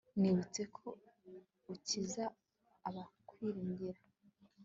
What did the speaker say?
nibutse ko ukiza abakwiringira